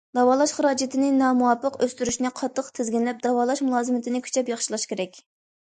داۋالاش خىراجىتىنى نامۇۋاپىق ئۆستۈرۈشنى قاتتىق تىزگىنلەپ، داۋالاش مۇلازىمىتىنى كۈچەپ ياخشىلاش كېرەك.